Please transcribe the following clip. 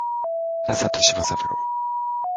北里柴三郎